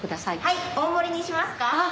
はい大盛りにしますか？